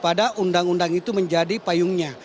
untuk mengatakan bahwa undang undang itu menjadi payungnya